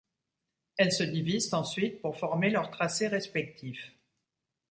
Elles se divisent ensuite pour former leurs tracés respectifs.